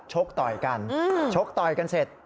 กต่อยกันชกต่อยกันเสร็จ